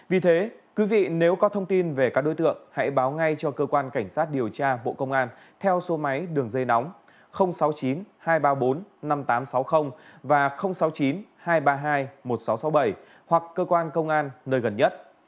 vì thế quý vị nếu có thông tin về các đối tượng hãy báo ngay cho cơ quan cảnh sát điều tra bộ công an theo số máy đường dây nóng sáu mươi chín hai trăm ba mươi bốn năm nghìn tám trăm sáu mươi và sáu mươi chín hai trăm ba mươi hai một nghìn sáu trăm sáu mươi bảy hoặc cơ quan công an nơi gần nhất